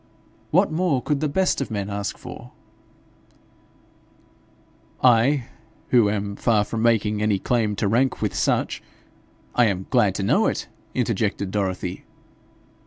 'What more could the best of men ask for?' 'I, who am far from making any claim to rank with such ' 'I am glad to know it,' interjected Dorothy.